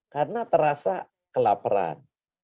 karena terasa kelaperan